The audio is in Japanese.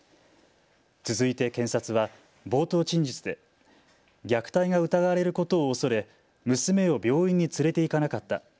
続いて検察は冒頭陳述で虐待が疑われることを恐れ娘を病院に連れて行かなかった。